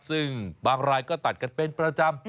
ซึ่งบางรายก็ตัดกันเป็นประจำ